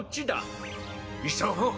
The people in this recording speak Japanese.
いそごう。